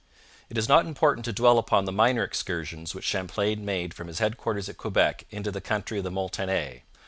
It is not important to dwell upon the minor excursions which Champlain made from his headquarters at Quebec into the country of the Montagnais.